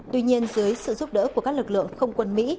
tuy nhiên dưới sự giúp đỡ của các lực lượng không quân mỹ